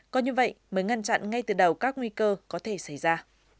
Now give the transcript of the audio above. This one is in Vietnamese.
có như vậy mới ngăn chặn ngay từ đầu các nguy cơ có thể xảy ra